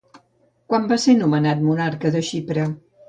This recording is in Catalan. Quan va ser nomenat monarca de Xipre?